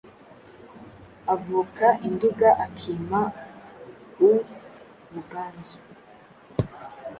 Avuka i Nduga akima u Buganza